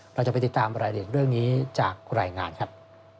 เราจะไปติดตามรายละเอียดเรื่องนี้จากรายงานครับ